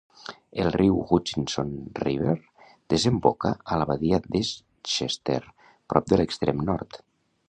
El riu Hutchinson River desemboca a la badia d'Eastchester prop de l'extrem nord.